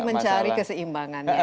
tapi mencari keseimbangannya ya